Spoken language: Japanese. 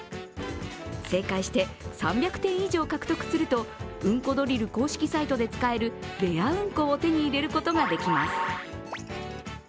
正解して３００点以上獲得すると「うんこドリル」公式サイトで使えるレアうんこを手に入れることができます。